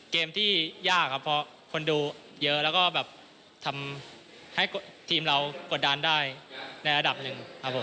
เกมที่ยากครับเพราะคนดูเยอะแล้วก็แบบทำให้ทีมเรากดดันได้ในระดับหนึ่งครับผม